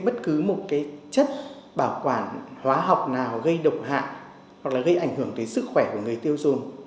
bất cứ một cái chất bảo quản hóa học nào gây độc hạ hoặc là gây ảnh hưởng tới sức khỏe của người tiêu dùng